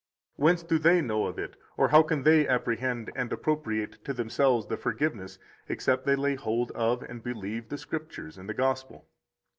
Whence do they know of it, or how can they apprehend and appropriate to themselves the forgiveness, except they lay hold of and believe the Scriptures and the Gospel?